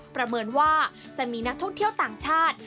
ประเมินว่าจะมีนักท่องเที่ยวต่างชาติ